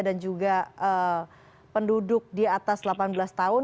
dan juga penduduk di atas delapan belas tahun